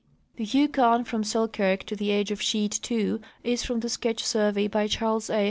The Yukon from Selkirk to the edge of sheet ii is from the sketch survey by Charles A.